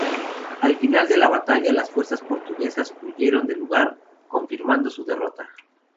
Al final de la batalla, las fuerzas portuguesas huyeron del lugar, confirmando su derrota.